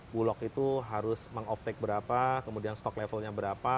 bulog itu harus meng off tak berapa kemudian stok levelnya berapa